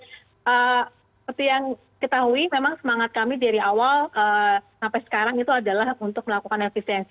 seperti yang ketahui memang semangat kami dari awal sampai sekarang itu adalah untuk melakukan efisiensi